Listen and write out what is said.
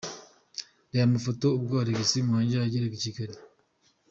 Reba amafoto ubwo Alex Muhangi yageraga i Kigali:.